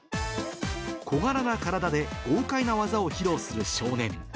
小柄な体で豪快な技を披露する少年。